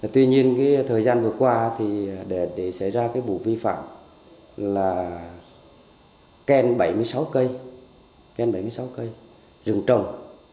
tuy nhiên thời gian vừa qua để xảy ra vụ vi phạm là kèn bảy mươi sáu cây rừng trồng